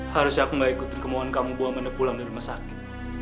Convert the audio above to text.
harusnya aku gak ikutin kemohonan kamu bawa amanda pulang dari rumah sakit